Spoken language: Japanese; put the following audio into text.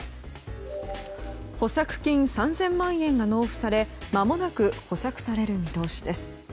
保釈金３０００万円が納付されまもなく保釈される見通しです。